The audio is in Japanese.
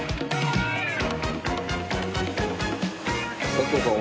佐藤さん